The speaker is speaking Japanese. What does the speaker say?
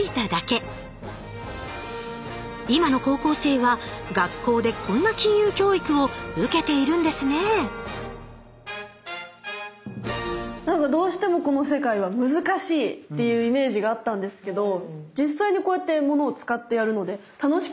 今の高校生は学校でこんな金融教育を受けているんですねなんかどうしてもこの世界は難しいっていうイメージがあったんですけど実際にこうやって物を使ってやるので楽しかったです。